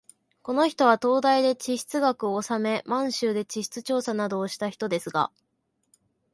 この人は東大で地質学をおさめ、満州で地質調査などをした人ですが、